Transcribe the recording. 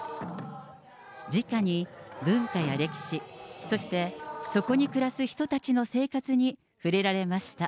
直に文化や歴史、そして、そこに暮らす人たちの生活に触れられました。